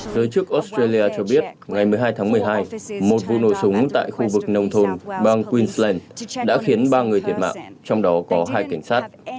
giới chức australia cho biết ngày một mươi hai tháng một mươi hai một vụ nổ súng tại khu vực nông thôn bang queensland đã khiến ba người thiệt mạng trong đó có hai cảnh sát